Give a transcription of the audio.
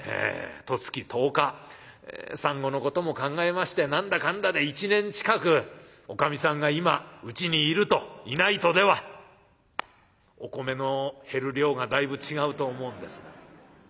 十月十日産後のことも考えまして何だかんだで１年近くおかみさんが今うちにいるといないとではお米の減る量がだいぶ違うと思うんですが」。